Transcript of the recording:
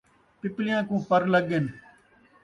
پپیلیاں کوں پر لڳ ڳن